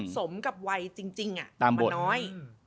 สมกับวัยจริงมันน้อย